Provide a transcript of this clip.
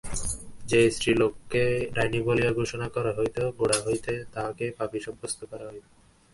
যে-স্ত্রীলোককে ডাইনী বলিয়া ঘোষণা করা হইত, গোড়া হইতেই তাহাকে পাপী সাব্যস্ত করা হইত।